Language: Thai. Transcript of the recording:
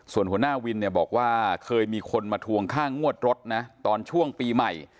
ส่วนหัวหน้าวินเนี่ยบอกว่าเคยมีคนมาทวงค่างวดรถนะตอนช่วงปีใหม่